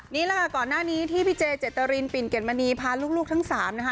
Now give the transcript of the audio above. นี่แหละค่ะก่อนหน้านี้ที่พี่เจเจตรินปิ่นเกดมณีพาลูกทั้งสามนะคะ